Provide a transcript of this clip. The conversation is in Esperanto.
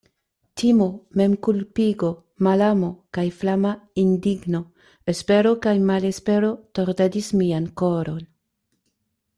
Timo, memkulpigo, malamo, kaj flama indigno, espero kaj malespero tordadis mian koron.